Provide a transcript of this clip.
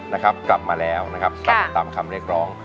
นะครับกลับมาแล้วนะครับตามคำเรียกร้อง